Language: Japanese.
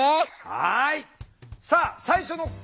はい。